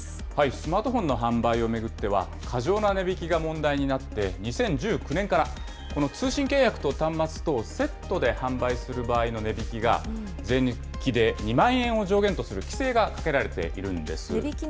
スマートフォンの販売を巡っては、過剰な値引きが問題になって、２０１９年から、この通信契約と端末とをセットで販売する場合の値引きが、税抜きで２万円を上限とする規制が設けられているんです。